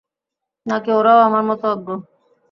নাকি ওরাও আমার মতো অজ্ঞ?